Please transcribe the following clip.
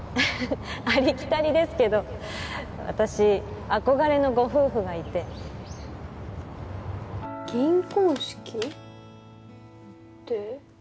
ありきたりですけど私憧れのご夫婦がいて銀婚式って？